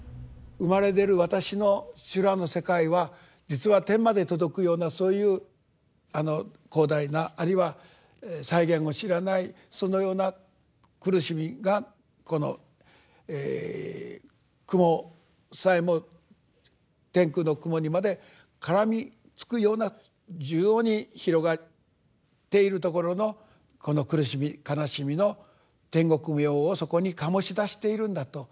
生まれ出る私の修羅の世界は実は天まで届くようなそういう広大なあるいは際限を知らないそのような苦しみがこのくもさえも天空のくもにまでからみつくような縦横に広がっているところのこの苦しみ悲しみの諂曲模様をそこに醸し出しているんだと。